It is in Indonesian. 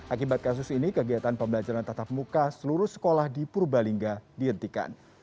akibat kasus ini kegiatan pembelajaran tatap muka seluruh sekolah di purbalingga dihentikan